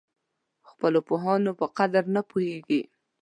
خپلو پوهانو په قدر نه پوهېږي.